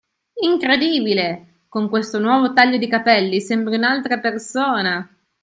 Incredibile! Con questo nuovo taglio di capelli sembri un'altra persona!